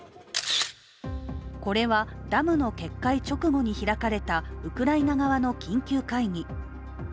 これはダムの決壊直後に開かれたウクライナ側の緊急会議。